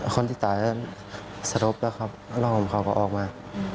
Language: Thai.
คนที่ตายสรุปแล้วครับรอบของเขาก็ออกมา